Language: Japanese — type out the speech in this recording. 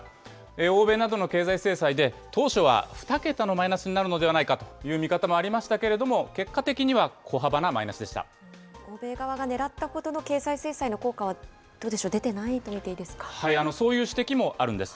欧米などの経済制裁で、当初は２桁のマイナスになるのではないかという見方もありましたけれども、欧米側がねらったほどの経済制裁の効果は、どうでしょう、出てないと見ていいですか。